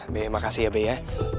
be makasih ya be ya